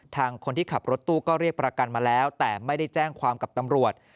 คนที่ขับรถตู้ก็เรียกประกันมาแล้วแต่ไม่ได้แจ้งความกับตำรวจ